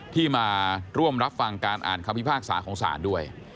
ที่มาร่วมรับฟังการอ่านคำพิพากษาของศาลด้วย